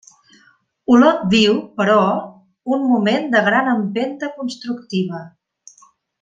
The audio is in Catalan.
Olot viu, però, un moment de gran empenta constructiva.